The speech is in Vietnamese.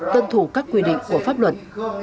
tân thủ các quy định của pháp luật